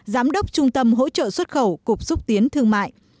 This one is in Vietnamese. giám đốc trung tâm hỗ trợ xuất khẩu cục xúc tiến thương mại